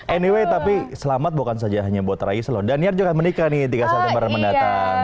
anyway tapi selamat bukan saja hanya buat raisa loh daniar juga menikah nih tiga september mendatang